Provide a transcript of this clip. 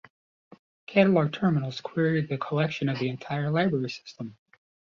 Catalog terminals query the collection of the entire library system.